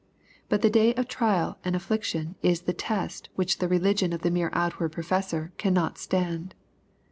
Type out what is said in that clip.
But the day of trial and affliction is the test which the religion of the mere outward professor cannot stand.